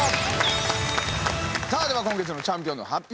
さあでは今月のチャンピオンの発表